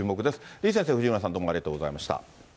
李先生、藤村さん、どうもありがとうございました。